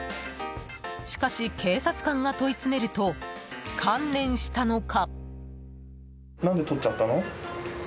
しかし、警察官が問い詰めると観念したのか。